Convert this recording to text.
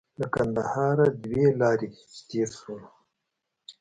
له کندهار دوه لارې چې تېر شولو.